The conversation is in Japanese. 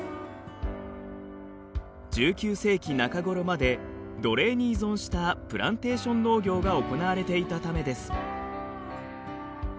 １９世紀中ごろまで奴隷に依存したプランテーション農業が行われていたためです。